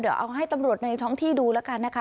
เดี๋ยวเอาให้ตำรวจในท้องที่ดูแล้วกันนะคะ